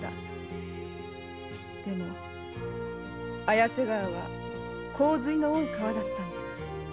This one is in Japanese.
でも綾瀬川は洪水の多い川だったのです。